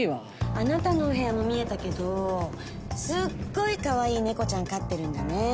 「あなたのお部屋も見えたけどすっごいかわいい猫ちゃん飼ってるんだね」。